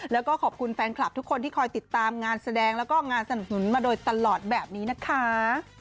แล้วก็ขอบคุณแฟนคลับทุกคนที่คอยติดตามงานแสดงแล้วก็งานสนับสนุนมาโดยตลอดแบบนี้นะคะ